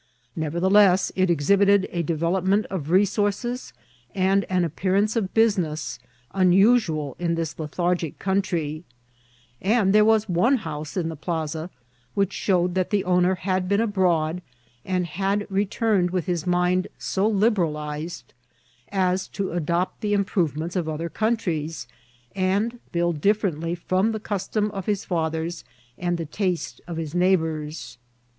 Nev ertheless, it exhibited a development of resources and THS CHIBV or THE STATE. 859 an appearance of boBineis nnasnal in this lethargic country ; and there was one house in the pkunt which showed that the owner had been abroad, and had re« turned with his mind so liberalized as to adopt the im» {HTovements of other countries, and build differently from the custom of his fathers and the taste of his neighbours.